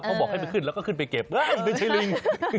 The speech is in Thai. เขาบอกให้มันขึ้นแล้วก็ขึ้นไปเก็บอ้าวเดี๋ยวใช้ลิง